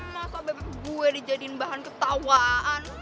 kenapa bebek gue dijadiin bahan ketawaan